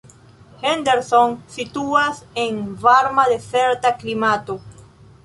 Henderson situas en varma dezerta klimato.